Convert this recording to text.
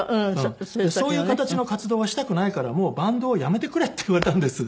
そういう形の活動はしたくないからもうバンドをやめてくれって言われたんです。